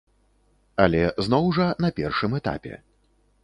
Але зноў жа, на першым этапе.